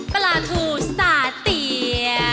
ปลาทูสาเตีย